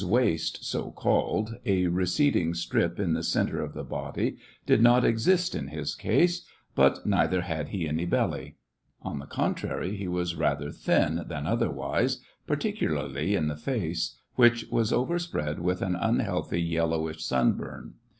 waist, SO called, a receding strip in the centre of the body, did not exist in his case ; but neither had he any belly ; on the contrary, he was rather thin than otherwise, particularly in the face, which was overspread with an unhealthy yellowish sun burn.